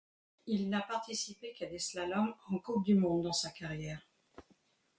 Il n'a participé qu'à des slaloms en Coupe du monde dans sa carrière.